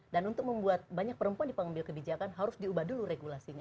dan untuk membuat banyak perempuan di pengambil kebijakan harus diubah dulu regulasinya